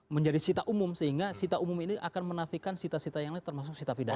menjadi sita umum sehingga sita umum ini akan menafikan sita sita yang lain termasuk sita pidana